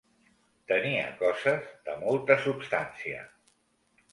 Tenia coses de molta substància.